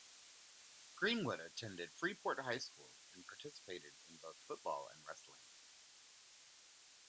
Greenwood attended Freeport High School and participated in both football and wrestling.